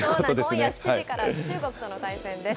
今夜７時から、中国との対戦です。